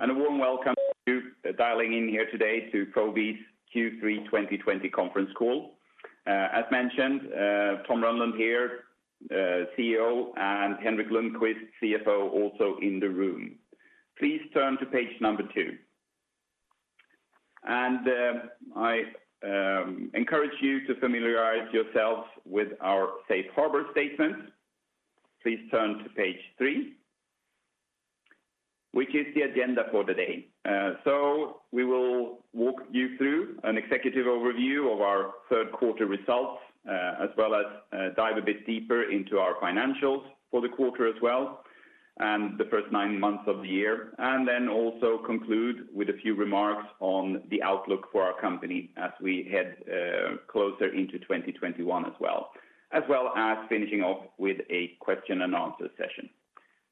A warm welcome to dialing in here today to Probi's Q3 2020 conference call. As mentioned, Tom Rönnlund here, CEO, and Henrik Lundkvist, CFO, also in the room. Please turn to page number two. I encourage you to familiarize yourselves with our safe harbor statement. Please turn to page three, which is the agenda for the day. We will walk you through an executive overview of our third quarter results, as well as dive a bit deeper into our financials for the quarter as well, and the first nine months of the year, and then also conclude with a few remarks on the outlook for our company as we head closer into 2021 as well as finishing off with a question and answer session.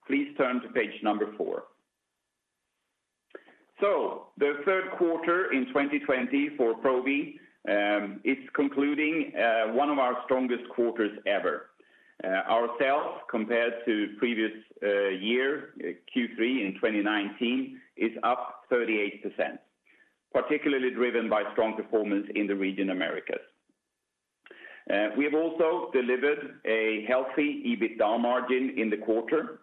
Please turn to page number four. The third quarter in 2020 for Probi, it's concluding one of our strongest quarters ever. Our sales compared to previous year, Q3 in 2019, is up 38%, particularly driven by strong performance in the region Americas. We have also delivered a healthy EBITDA margin in the quarter.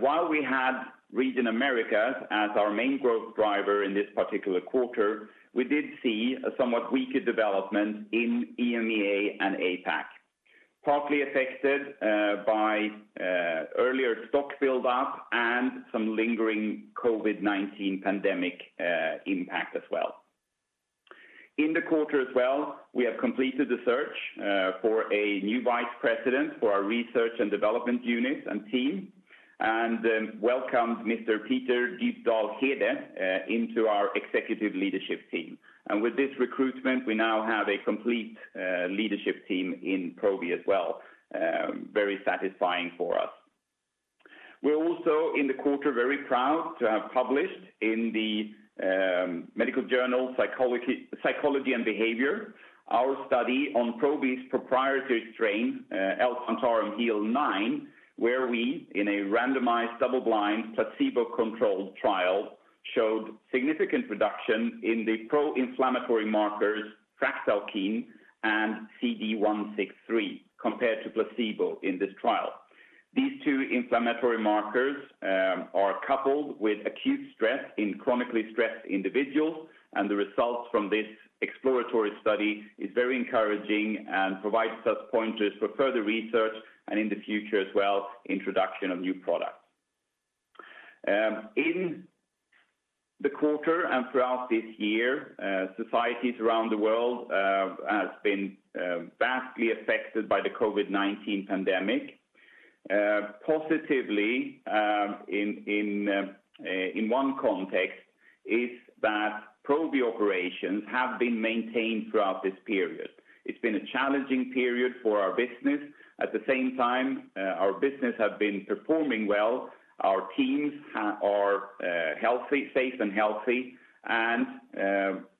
While we had region Americas as our main growth driver in this particular quarter, we did see a somewhat weaker development in EMEA and APAC, partly affected by earlier stock build-up and some lingering COVID-19 pandemic impact as well. In the quarter as well, we have completed the search for a new vice president for our research and development unit and team, and welcomed Mr. Peter Dybdahl Hede into our executive leadership team. With this recruitment, we now have a complete leadership team in Probi as well. Very satisfying for us. We're also in the quarter, very proud to have published in the medical journal, "Physiology & Behavior," our study on Probi's proprietary strain, L. plantarum HEAL9, where we, in a randomized, double-blind, placebo-controlled trial, showed significant reduction in the pro-inflammatory markers Fractalkine and CD163 compared to placebo in this trial. The results from this exploratory study is very encouraging and provides us pointers for further research and in the future as well, introduction of new products. In the quarter and throughout this year, societies around the world has been vastly affected by the COVID-19 pandemic. Positively, in one context, is that Probi operations have been maintained throughout this period. It's been a challenging period for our business. At the same time, our business have been performing well. Our teams are safe and healthy, and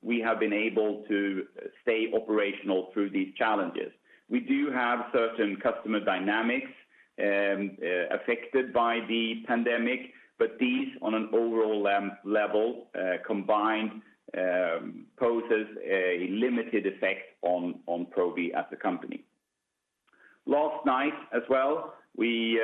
we have been able to stay operational through these challenges. We do have certain customer dynamics affected by the pandemic, but these on an overall level combined poses a limited effect on Probi as a company. Last night as well, we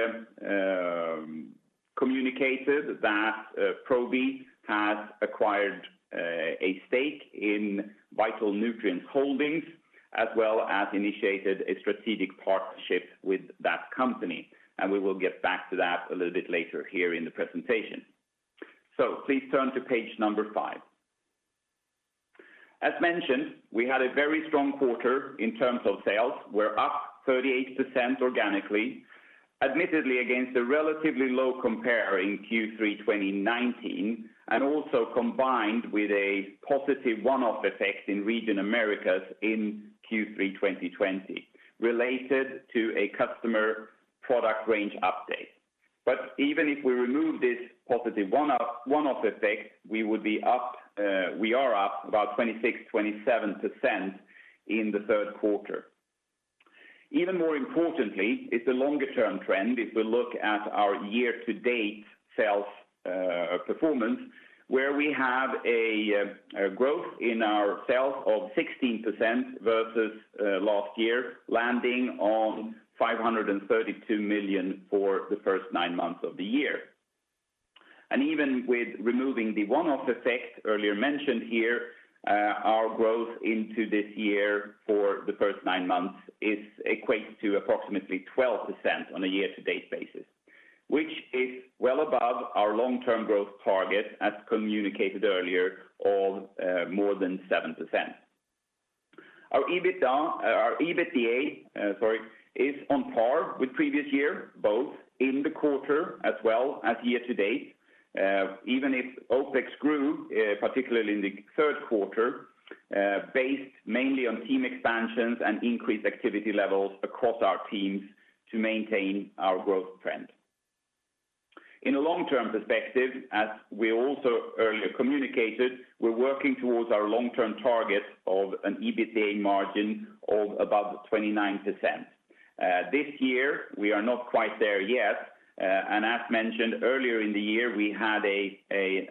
communicated that Probi has acquired a stake in Vital Nutrients Holdings, as well as initiated a strategic partnership with that company, and we will get back to that a little bit later here in the presentation. Please turn to page number five. As mentioned, we had a very strong quarter in terms of sales. We're up 38% organically, admittedly against a relatively low compare in Q3 2019, and also combined with a positive one-off effect in region Americas in Q3 2020 related to a customer product range update. Even if we remove this positive one-off effect, we are up about 26%-27% in the third quarter. Even more importantly is the longer-term trend, if we look at our year-to-date sales performance, where we have a growth in our sales of 16% versus last year, landing on 532 million for the first nine months of the year. Even with removing the one-off effect earlier mentioned here, our growth into this year for the first nine months is equates to approximately 12% on a year-to-date basis, which is well above our long-term growth target as communicated earlier of more than 7%. Our EBITDA, sorry, is on par with previous year, both in the quarter as well as year-to-date, even if OpEX grew, particularly in the third quarter, based mainly on team expansions and increased activity levels across our teams to maintain our growth trend. In a long-term perspective, as we also earlier communicated, we're working towards our long-term target of an EBITDA margin of above 29%. This year, we are not quite there yet. As mentioned earlier in the year, we had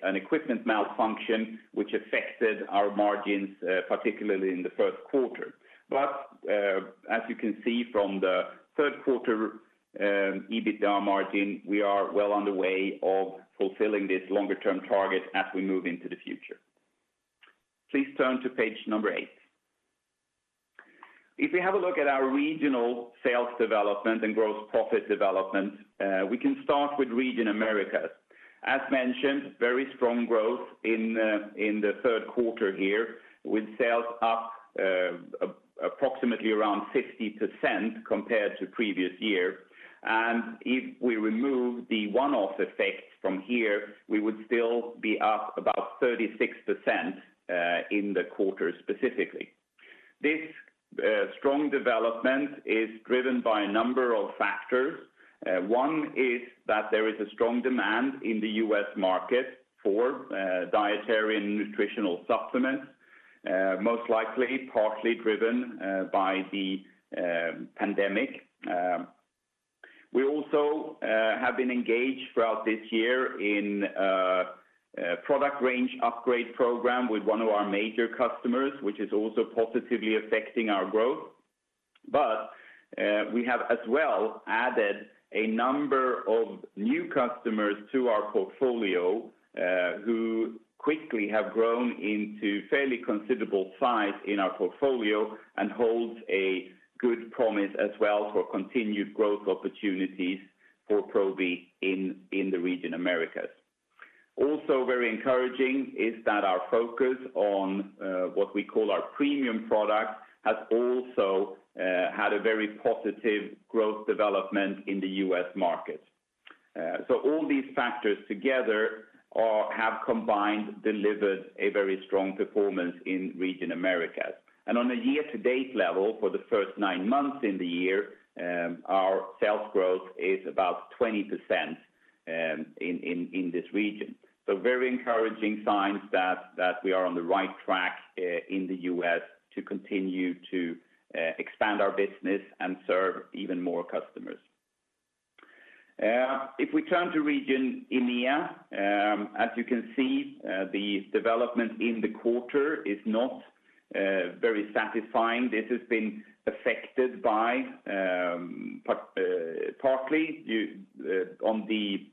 an equipment malfunction which affected our margins, particularly in the first quarter. As you can see from the third quarter EBITDA margin, we are well on the way of fulfilling this longer-term target as we move into the future. Please turn to page number eight. If we have a look at our regional sales development and gross profit development, we can start with region Americas. As mentioned, very strong growth in the third quarter here, with sales up approximately around 50% compared to previous year. If we remove the one-off effects from here, we would still be up about 36% in the quarter specifically. This strong development is driven by a number of factors. One is that there is a strong demand in the U.S. market for dietary and nutritional supplements, most likely, partly driven by the pandemic. We also have been engaged throughout this year in a product range upgrade program with one of our major customers, which is also positively affecting our growth. We have as well added a number of new customers to our portfolio, who quickly have grown into fairly considerable size in our portfolio and holds a good promise as well for continued growth opportunities for Probi in the region Americas. Also very encouraging is that our focus on what we call our premium products has also had a very positive growth development in the U.S. market. All these factors together have combined delivered a very strong performance in region Americas. On a year-to-date level, for the first nine months in the year, our sales growth is about 20% in this region. Very encouraging signs that we are on the right track in the U.S. to continue to expand our business and serve even more customers. If we turn to region EMEA, as you can see, the development in the quarter is not very satisfying. This has been affected partly on the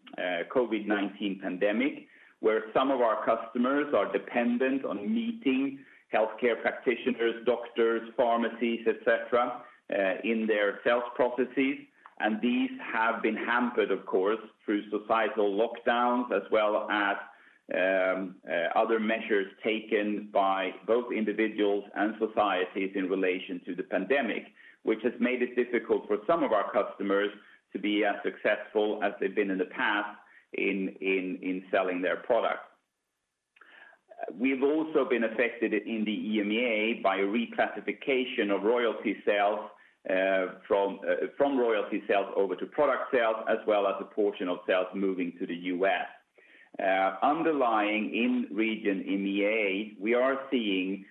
COVID-19 pandemic, where some of our customers are dependent on meeting healthcare practitioners, doctors, pharmacies, et cetera, in their sales processes. These have been hampered, of course, through societal lockdowns as well as other measures taken by both individuals and societies in relation to the pandemic, which has made it difficult for some of our customers to be as successful as they've been in the past in selling their product. We've also been affected in the EMEA by reclassification of royalty sales from royalty sales over to product sales, as well as a portion of sales moving to the U.S. Underlying in region EMEA, we are seeing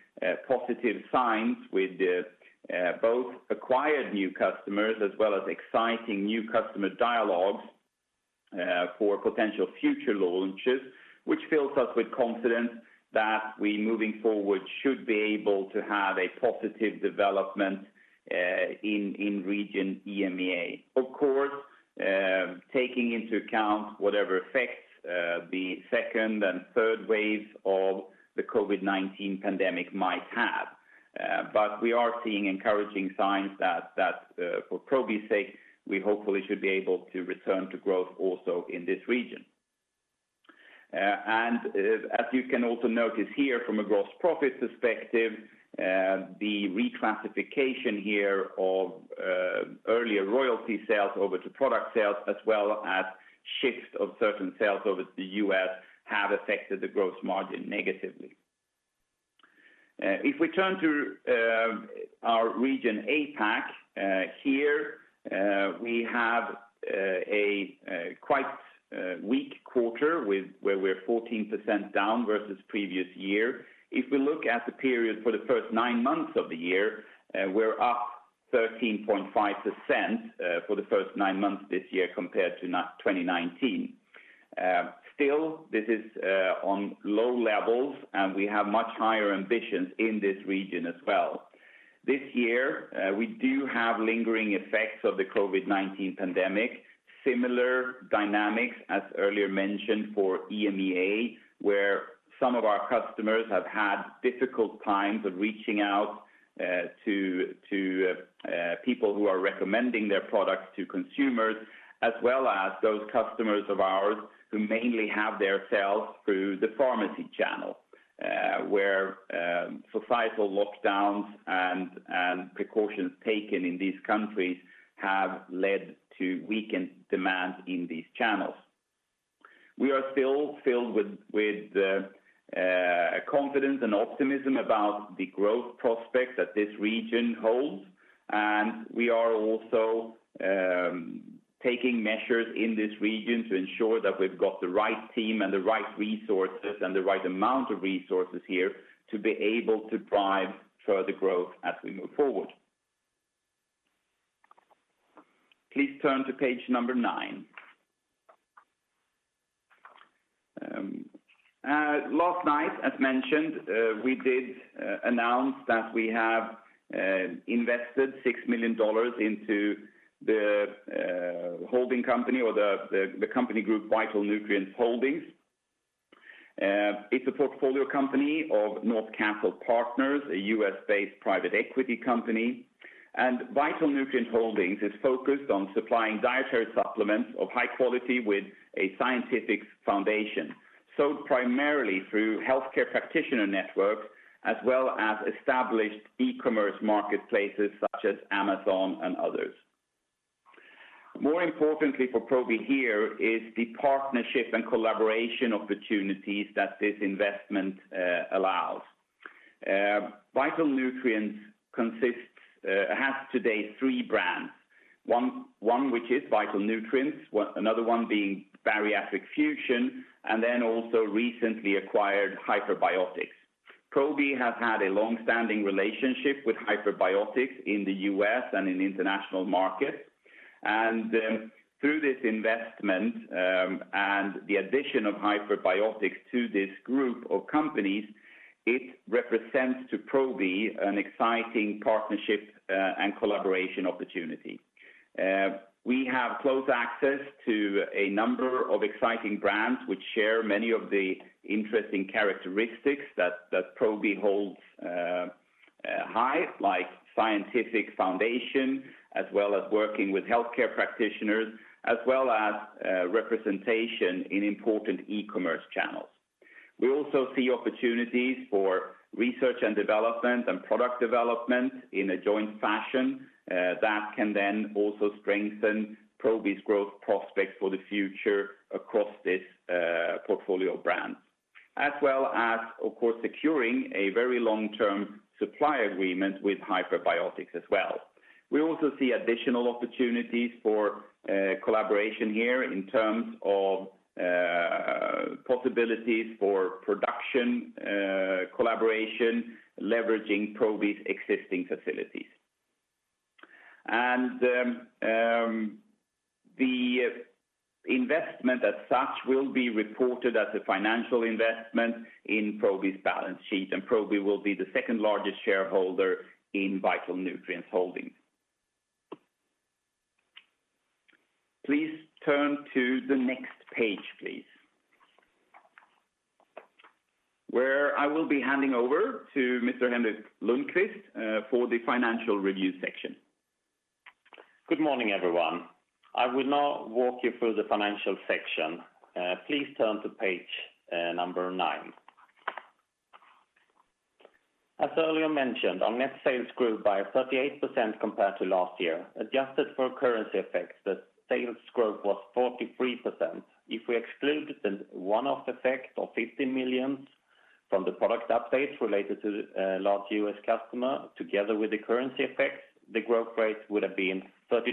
positive signs with both acquired new customers as well as exciting new customer dialogues for potential future launches, which fills us with confidence that we, moving forward, should be able to have a positive development in region EMEA. Of course, taking into account whatever effects the second and third waves of the COVID-19 pandemic might have. We are seeing encouraging signs that for Probi's sake, we hopefully should be able to return to growth also in this region. As you can also notice here from a gross profit perspective, the reclassification here of earlier royalty sales over to product sales, as well as shifts of certain sales over to the U.S., have affected the gross margin negatively. If we turn to our region APAC, here we have a quite weak quarter where we're 14% down versus previous year. If we look at the period for the first nine months of the year, we're up 13.5% for the first nine months this year compared to 2019. Still, this is on low levels, and we have much higher ambitions in this region as well. This year, we do have lingering effects of the COVID-19 pandemic. Similar dynamics as earlier mentioned for EMEA, where some of our customers have had difficult times of reaching out to people who are recommending their products to consumers, as well as those customers of ours who mainly have their sales through the pharmacy channel, where societal lockdowns and precautions taken in these countries have led to weakened demand in these channels. We are still filled with confidence and optimism about the growth prospects that this region holds. We are also taking measures in this region to ensure that we've got the right team and the right resources and the right amount of resources here to be able to drive further growth as we move forward. Please turn to page number nine. Last night, as mentioned, we did announce that we have invested $6 million into the holding company or the company group, Vital Nutrients Holdings. It's a portfolio company of North Castle Partners, a U.S.-based private equity company, and Vital Nutrients Holdings is focused on supplying dietary supplements of high quality with a scientific foundation, sold primarily through healthcare practitioner networks, as well as established e-commerce marketplaces such as Amazon and others. More importantly for Probi here is the partnership and collaboration opportunities that this investment allows. Vital Nutrients has today three brands. One which is Vital Nutrients, another one being Bariatric Fusion, and then also recently acquired Hyperbiotics. Probi has had a long-standing relationship with Hyperbiotics in the U.S. and in international markets. Through this investment, and the addition of Hyperbiotics to this group of companies, it represents to Probi an exciting partnership and collaboration opportunity. We have close access to a number of exciting brands which share many of the interesting characteristics that Probi holds high, like scientific foundation, as well as working with healthcare practitioners, as well as representation in important e-commerce channels. We also see opportunities for Research and Development and Product Development in a joint fashion, that can then also strengthen Probi's growth prospects for the future across this portfolio brand. Securing a very long-term supply agreement with Hyperbiotics as well. We also see additional opportunities for collaboration here in terms of possibilities for production, collaboration, leveraging Probi's existing facilities. The investment as such will be reported as a financial investment in Probi's balance sheet, and Probi will be the second largest shareholder in Vital Nutrients Holdings. Please turn to the next page, please. Where I will be handing over to Mr. Henrik Lundkvist, for the financial review section. Good morning, everyone. I will now walk you through the financial section. Please turn to page number nine. As earlier mentioned, our net sales grew by 38% compared to last year. Adjusted for currency effects, the sales growth was 43%. If we exclude the one-off effect of 15 million from the product updates related to a large U.S. customer, together with the currency effects, the growth rate would have been 32%.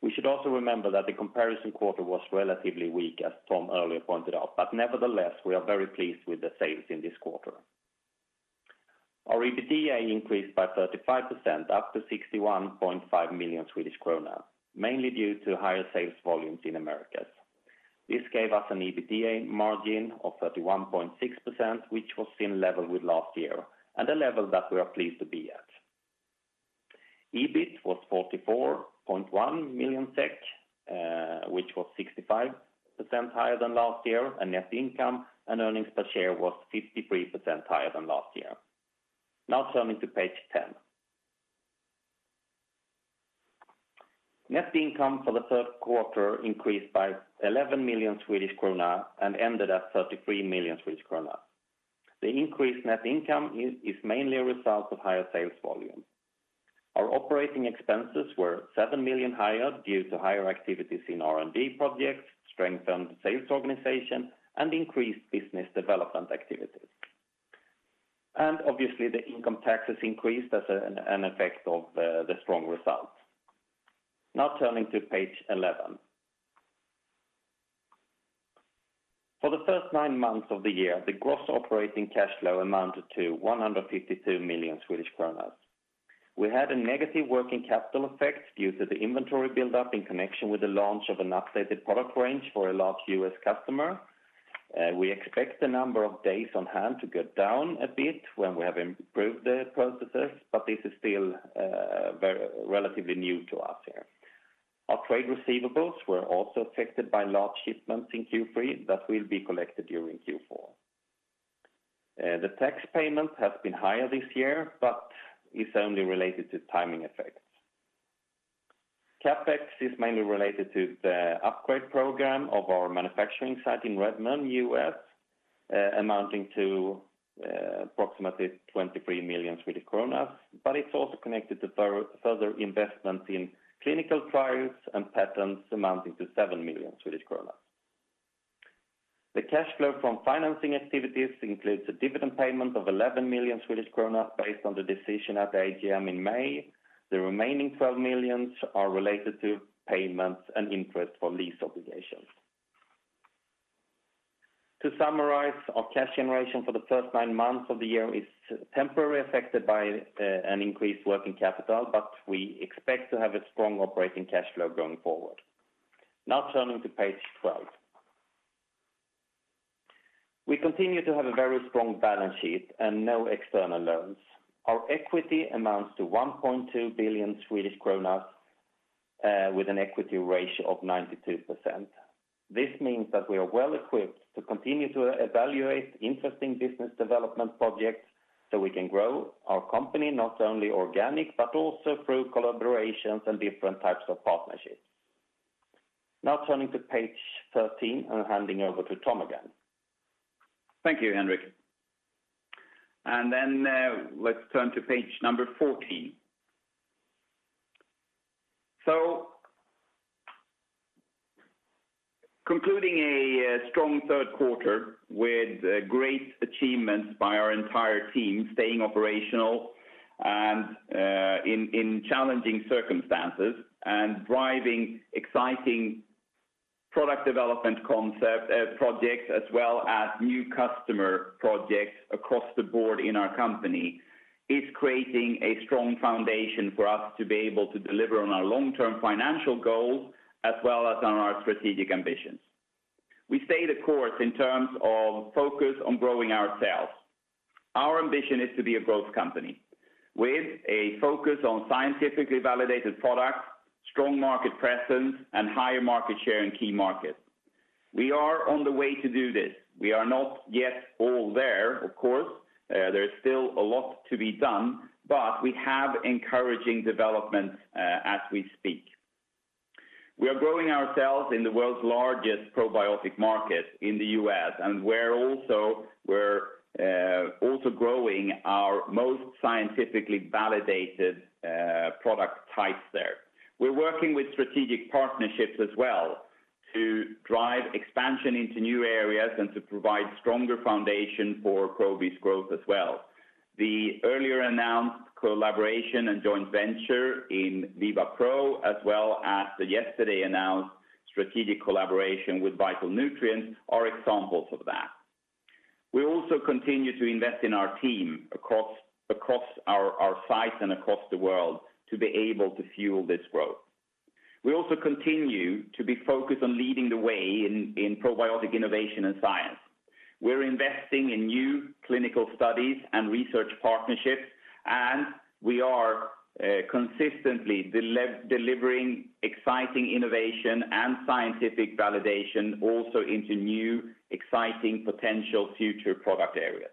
We should also remember that the comparison quarter was relatively weaker from the earlier pointed out, but nevertheless, we are very pleased with the sales in this quarter. Our EBITDA increased by 35%, up to 61.5 million Swedish kronor, mainly due to higher sales volumes in Americas. This gave us an EBITDA margin of 31.6%, which was in level with last year, and a level that we are pleased to be at. EBIT was 44.1 million SEK, which was 65% higher than last year, and net income and earnings per share was 53% higher than last year. Now turning to page 10. Net income for the third quarter increased by 11 million Swedish kronor and ended at 33 million Swedish kronor. The increased net income is mainly a result of higher sales volume. Our operating expenses were 7 million higher due to higher activities in R&D projects, strengthened sales organization, and increased business development activities. Obviously, the income taxes increased as an effect of the strong results. Now turning to page 11. For the first nine months of the year, the gross operating cash flow amounted to 152 million Swedish kronor. We had a negative working capital effect due to the inventory buildup in connection with the launch of an updated product range for a large U.S. customer. We expect the number of days on hand to go down a bit when we have improved the processes, but this is still relatively new to us here. Our trade receivables were also affected by large shipments in Q3 that will be collected during Q4. The tax payment has been higher this year, but it's only related to timing effects. CapEx is mainly related to the upgrade program of our manufacturing site in Redmond, U.S., amounting to approximately 23 million Swedish kronor, but it's also connected to further investment in clinical trials and patents amounting to 7 million Swedish kronor. The cash flow from financing activities includes a dividend payment of 11 million Swedish kronor based on the decision at the AGM in May. The remaining 12 million are related to payments and interest for lease obligations. To summarize, our cash generation for the first nine months of the year is temporarily affected by an increased working capital, but we expect to have a strong operating cash flow going forward. Turning to page 12. We continue to have a very strong balance sheet and no external loans. Our equity amounts to 1.2 billion Swedish kronor, with an equity ratio of 92%. This means that we are well equipped to continue to evaluate interesting business development projects so we can grow our company, not only organic, but also through collaborations and different types of partnerships. Turning to page 13 and handing over to Tom again. Thank you, Henrik. Let's turn to page number 14. Concluding a strong third quarter with great achievements by our entire team, staying operational and in challenging circumstances and driving exciting product development projects, as well as new customer projects across the board in our company, is creating a strong foundation for us to be able to deliver on our long-term financial goals as well as on our strategic ambitions. We stay the course in terms of focus on growing ourselves. Our ambition is to be a growth company with a focus on scientifically validated products, strong market presence, and higher market share in key markets. We are on the way to do this. We are not yet all there, of course. There is still a lot to be done, but we have encouraging developments as we speak. We are growing ourselves in the world's largest probiotic market in the U.S., and we're also growing our most scientifically validated product types there. We're working with strategic partnerships as well to drive expansion into new areas and to provide stronger foundation for Probi's growth as well. The earlier announced collaboration and joint venture in Viva Pro, as well as the yesterday announced strategic collaboration with Vital Nutrients, are examples of that. We also continue to invest in our team across our sites and across the world to be able to fuel this growth. We also continue to be focused on leading the way in probiotic innovation and science. We're investing in new clinical studies and research partnerships, and we are consistently delivering exciting innovation and scientific validation also into new, exciting potential future product areas.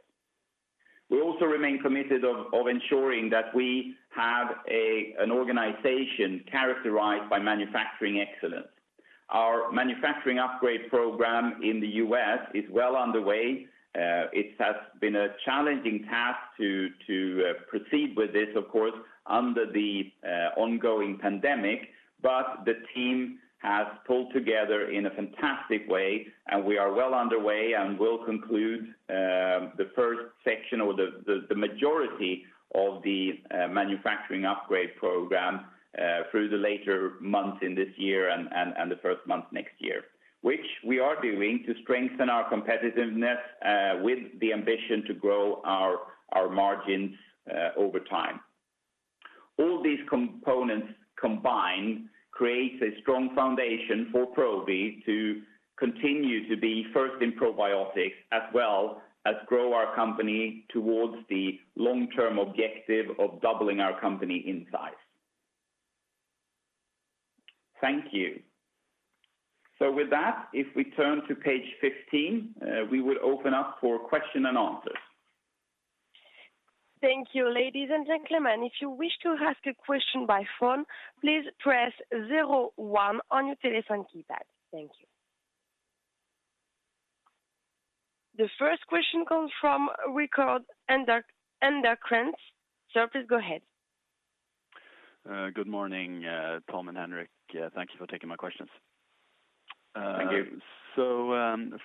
We also remain committed to ensuring that we have an organization characterized by manufacturing excellence. Our manufacturing upgrade program in the U.S. is well underway. It has been a challenging task to proceed with this, of course, under the ongoing pandemic, but the team has pulled together in a fantastic way, and we are well underway and will conclude the first section or the majority of the manufacturing upgrade program through the later months in this year and the first month next year. Which we are doing to strengthen our competitiveness with the ambition to grow our margins over time. All these components combined create a strong foundation for Probi to continue to be first in probiotics, as well as grow our company towards the long-term objective of doubling our company in size. Thank you. With that, if we turn to page 15, we will open up for question and answers. Thank you, ladies and gentlemen. If you wish to ask a question by phone, please press zero one on your telephone keypad. Thank you. The first question comes from Rickard Anderkrans. Sir, please go ahead. Good morning, Tom and Henrik. Thank you for taking my questions. Thank you.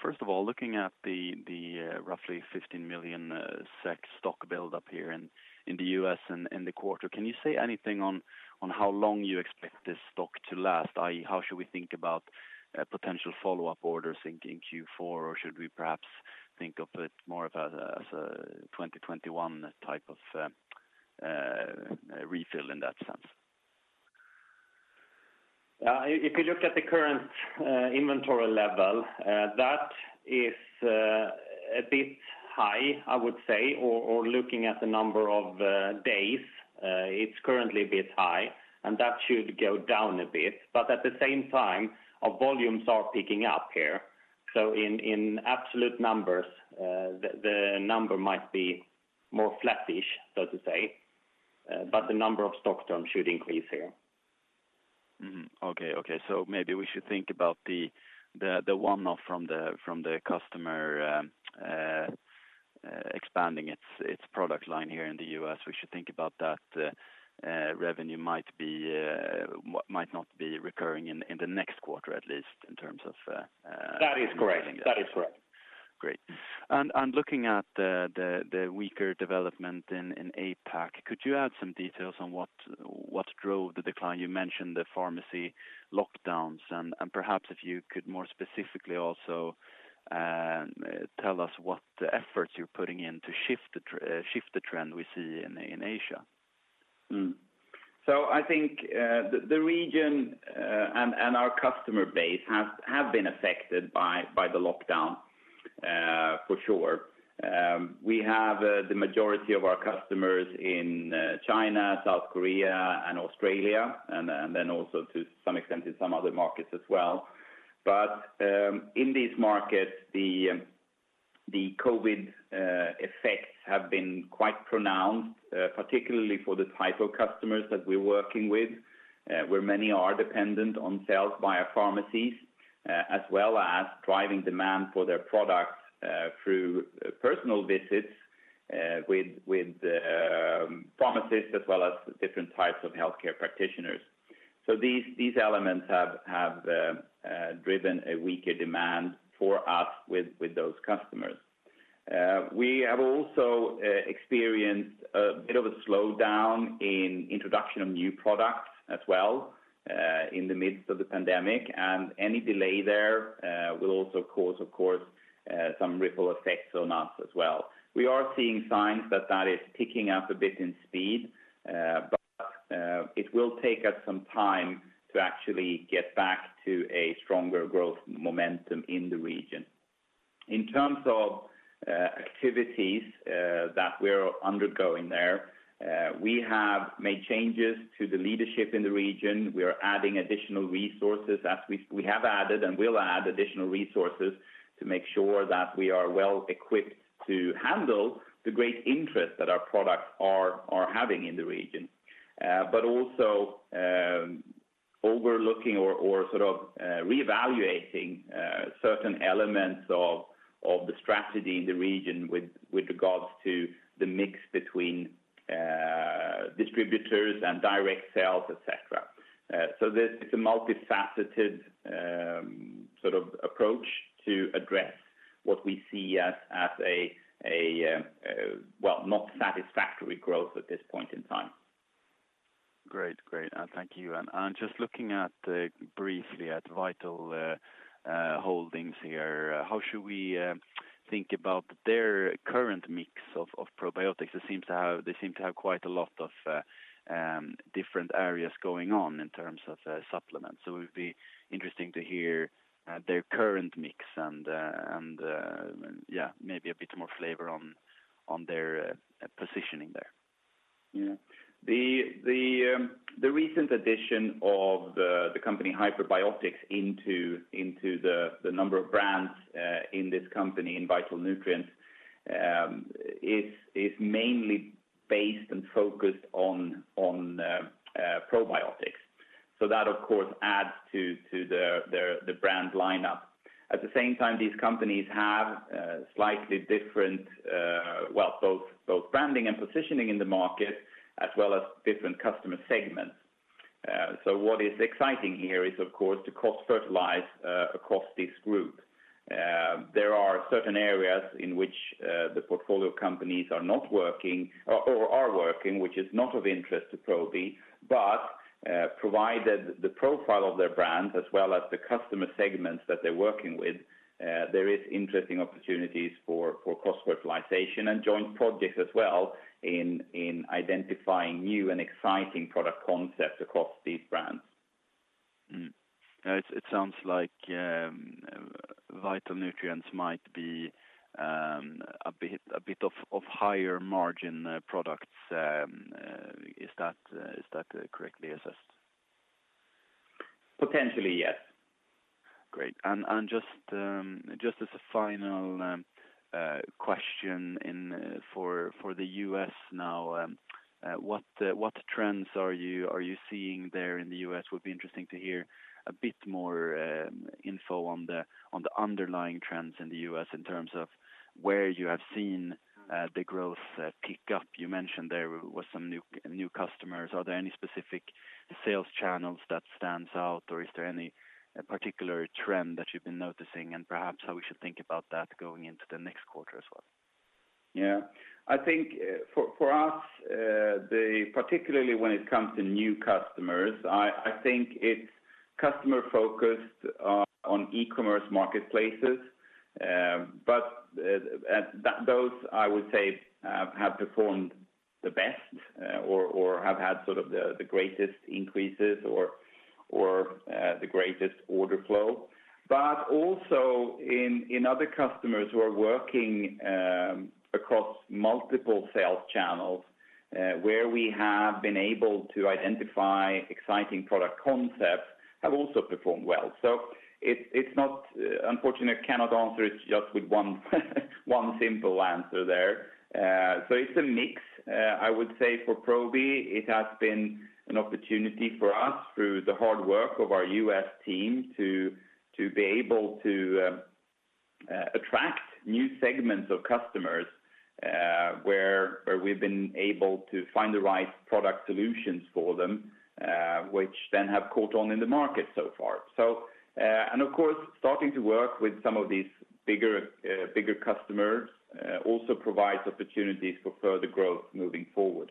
First of all, looking at the roughly 15 million SEK stock build up here in the U.S. and in the quarter, can you say anything on how long you expect this stock to last? i.e., how should we think about potential follow-up orders in Q4? Should we perhaps think of it more of as a 2021 type of refill in that sense? If you look at the current inventory level, that is a bit high, I would say. Looking at the number of days, it's currently a bit high, and that should go down a bit. At the same time, our volumes are picking up here. In absolute numbers, the number might be more flattish, so to say, but the number of stock terms should increase here. Mm-hmm. Okay. Maybe we should think about the one-off from the customer expanding its product line here in the U.S., we should think about that revenue might not be recurring in the next quarter. That is correct. Great. Looking at the weaker development in APAC, could you add some details on what drove the decline? You mentioned the pharmacy lockdowns, and perhaps if you could more specifically also tell us what efforts you're putting in to shift the trend we see in Asia. I think the region and our customer base have been affected by the lockdown, for sure. We have the majority of our customers in China, South Korea, and Australia, and then also to some extent in some other markets as well. In these markets, the COVID effects have been quite pronounced, particularly for the type of customers that we're working with, where many are dependent on sales via pharmacies, as well as driving demand for their products through personal visits with pharmacists as well as different types of healthcare practitioners. These elements have driven a weaker demand for us with those customers. We have also experienced a bit of a slowdown in introduction of new products as well in the midst of the pandemic, and any delay there will also cause, of course, some ripple effects on us as well. We are seeing signs that that is picking up a bit in speed, but it will take us some time to actually get back to a stronger growth momentum in the region. In terms of activities that we're undergoing there, we have made changes to the leadership in the region. We are adding additional resources, as we have added and will add additional resources to make sure that we are well equipped to handle the great interest that our products are having in the region. Also overlooking or sort of reevaluating certain elements of the strategy in the region with regards to the mix between distributors and direct sales, et cetera. It's a multifaceted sort of approach to address what we see as a, well, not satisfactory growth at this point in time. Great. Thank you. Just looking briefly at Vital Holdings here, how should we think about their current mix of probiotics? They seem to have quite a lot of different areas going on in terms of supplements. It would be interesting to hear their current mix and, yeah, maybe a bit more flavor on their positioning there. Yeah. The recent addition of the company Hyperbiotics into the number of brands in this company, in Vital Nutrients, is mainly based and focused on probiotics. That, of course, adds to the brand lineup. At the same time, these companies have slightly different both branding and positioning in the market, as well as different customer segments. What is exciting here is, of course, to cross-fertilize across this group. There are certain areas in which the portfolio companies are not working or are working, which is not of interest to Probi, but provided the profile of their brands as well as the customer segments that they're working with, there is interesting opportunities for cross-fertilization and joint projects as well in identifying new and exciting product concepts across these brands. It sounds like Vital Nutrients might be a bit of higher margin products. Is that correctly assessed? Potentially, yes. Great. Just as a final question for the U.S. now, what trends are you seeing there in the U.S.? Would be interesting to hear a bit more info on the underlying trends in the U.S. in terms of where you have seen the growth pick up. You mentioned there were some new customers. Are there any specific sales channels that stands out, or is there any particular trend that you've been noticing and perhaps how we should think about that going into the next quarter as well? Yeah. I think for us, particularly when it comes to new customers, I think it's customer-focused on e-commerce marketplaces. Those, I would say, have performed the best or have had sort of the greatest increases or the greatest order flow. Also in other customers who are working across multiple sales channels, where we have been able to identify exciting product concepts have also performed well. Unfortunately, I cannot answer it just with one simple answer there. It's a mix. I would say for Probi, it has been an opportunity for us through the hard work of our U.S. team to be able to attract new segments of customers, where we've been able to find the right product solutions for them, which then have caught on in the market so far. Of course, starting to work with some of these bigger customers also provides opportunities for further growth moving forward.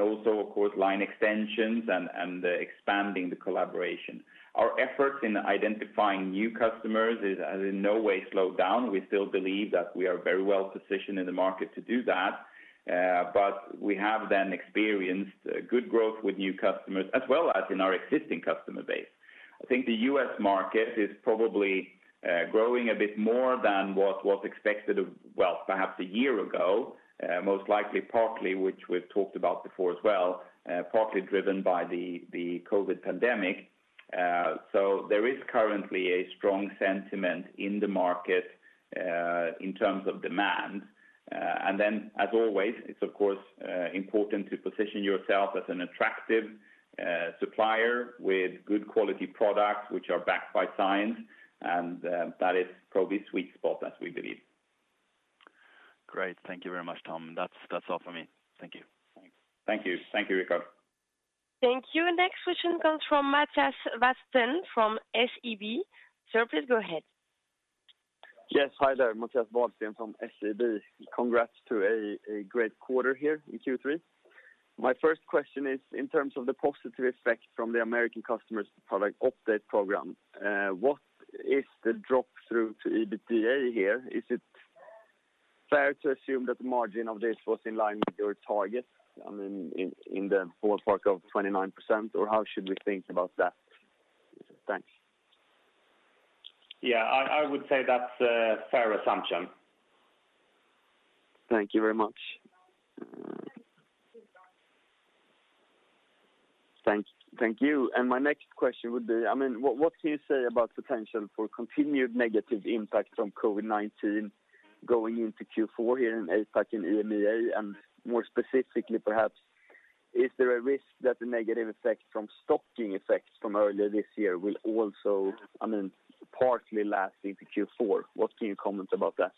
Also, of course, line extensions and expanding the collaboration. Our efforts in identifying new customers has in no way slowed down. We still believe that we are very well-positioned in the market to do that. We have then experienced good growth with new customers, as well as in our existing customer base. I think the U.S. market is probably growing a bit more than what was expected, well, perhaps a year ago. Most likely partly, which we've talked about before as well, partly driven by the COVID-19 pandemic. There is currently a strong sentiment in the market in terms of demand. As always, it's of course important to position yourself as an attractive supplier with good quality products which are backed by science, and that is Probi's sweet spot as we believe. Great. Thank you very much, Tom. That's all for me. Thank you. Thanks. Thank you, Rickard. Thank you. Next question comes from Mattias Vadsten from SEB. Sir, please go ahead. Yes. Hi there. Mattias Vadsten from SEB. Congrats to a great quarter here in Q3. My first question is in terms of the positive effect from the American customer's product update program, what is the drop through to EBITDA here? Is it fair to assume that the margin of this was in line with your target? I mean, in the ballpark of 29%, or how should we think about that? Thanks. Yeah, I would say that's a fair assumption. Thank you very much. Thank you. My next question would be, what can you say about potential for continued negative impact from COVID-19 going into Q4 here in APAC and EMEA? More specifically perhaps, is there a risk that the negative effect from stocking effects from earlier this year will also partly last into Q4? What can you comment about that?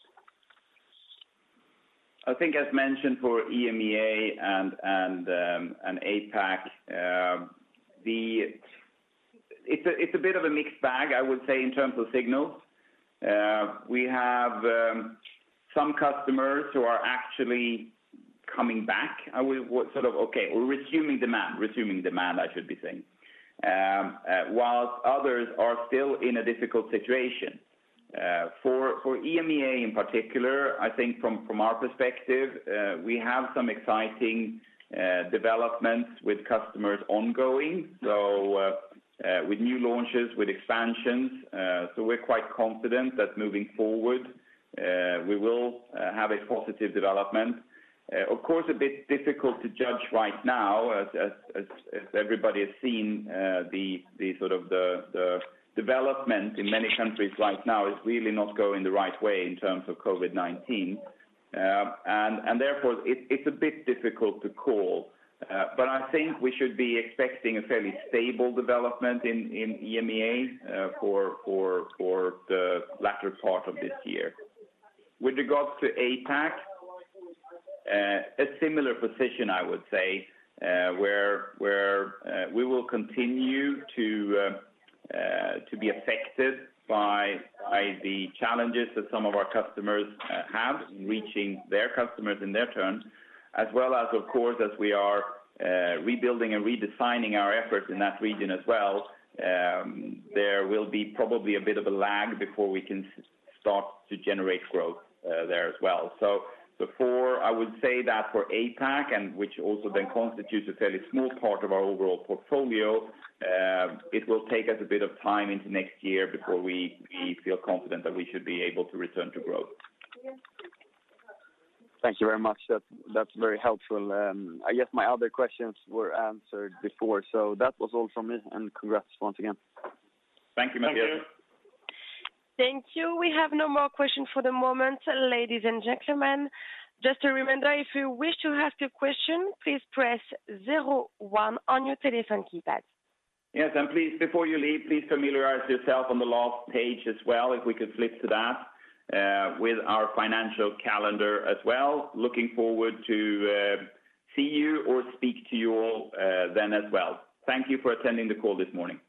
I think as mentioned for EMEA and APAC, it's a bit of a mixed bag, I would say, in terms of signals. We have some customers who are actually coming back. Sort of okay, we're resuming demand, I should be saying, whilst others are still in a difficult situation. For EMEA in particular, I think from our perspective, we have some exciting developments with customers ongoing, so with new launches, with expansions. We're quite confident that moving forward, we will have a positive development. Of course, a bit difficult to judge right now as everybody has seen the development in many countries right now is really not going the right way in terms of COVID-19. Therefore, it's a bit difficult to call. I think we should be expecting a fairly stable development in EMEA for the latter part of this year. With regards to APAC, a similar position, I would say, where we will continue to be affected by the challenges that some of our customers have in reaching their customers in their turn, as well as, of course, as we are rebuilding and redesigning our efforts in that region as well. There will be probably a bit of a lag before we can start to generate growth there as well. For, I would say that for APAC and which also then constitutes a fairly small part of our overall portfolio, it will take us a bit of time into next year before we feel confident that we should be able to return to growth. Thank you very much. That's very helpful. I guess my other questions were answered before. That was all from me, and congrats once again. Thank you, Mattias. Thank you. We have no more questions for the moment, ladies and gentlemen. Just a reminder, if you wish to ask a question, please press zero one on your telephone keypad. Yes, please, before you leave, please familiarize yourself on the last page as well, if we could flip to that, with our financial calendar as well. Looking forward to see you or speak to you all then as well. Thank you for attending the call this morning.